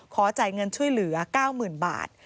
ขอจ่ายเงินช่วยเหลือ๙๐๐๐บาท